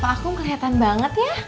pak kum kelihatan banget ya